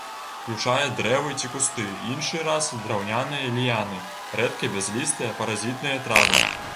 Уключае дрэвы ці кусты, іншы раз драўняныя ліяны, рэдка бязлістыя паразітныя травы.